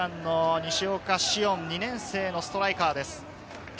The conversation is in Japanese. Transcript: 西岡、２年生のストライカーです。